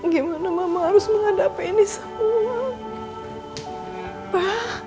gimana mama harus menghadapi ini semua